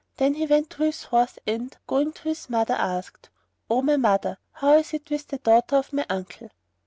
Then he went to his house and, going to his mother, asked, "O my mother, how is it with the daughter of my uncle?"